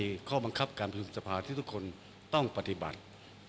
ก็คงไม่ได้ดูข้อบังคับการประชุมสภาที่ทุกคนต้องปฏิบัติ